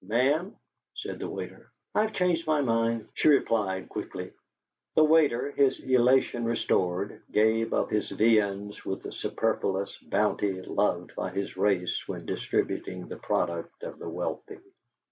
"Ma'am?" said the waiter. "I've changed my mind," she replied, quickly. The waiter, his elation restored, gave of his viands with the superfluous bounty loved by his race when distributing the product of the wealthy.